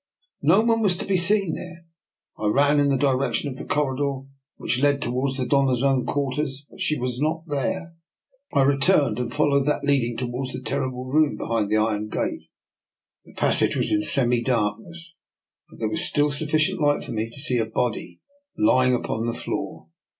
No one was to be seen there. I ran in the direction of the corridor which led towards the Doiia's own quarters, but she was not there! I returned and followed that leading towards that ter rible room behind the iron gate. The pas sage was in semi darkness, but there was still sufficient light for me to see a body lying upon the floor.